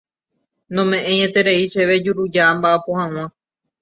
Nome'ẽieterei chéve juruja amba'apo hag̃ua.